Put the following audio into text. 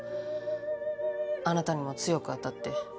あなたにも強く当たって。